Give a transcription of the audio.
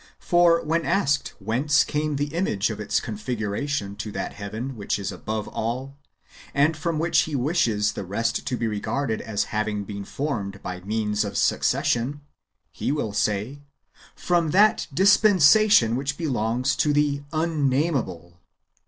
For, when asked whence came the imacre of its confio; uration to that heaven which is above all, and from which he wishes the rest to be regarded as having been formed by means of succession, he will say, from that dispensation which belongs to the Unnameable.